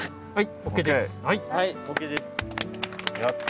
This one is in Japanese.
はい。